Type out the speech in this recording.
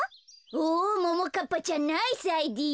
おももかっぱちゃんナイスアイデア。